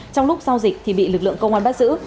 trong lúc giao dịch thì bị lực lượng công an bắt giữ